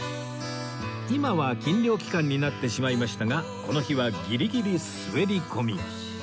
今は禁漁期間になってしまいましたがこの日はギリギリ滑り込み